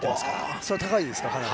◆それは高いですか、かなり。